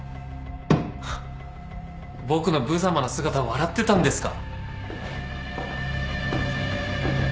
ハッ僕のぶざまな姿を笑ってたんですか？